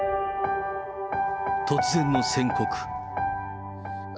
突然の宣告。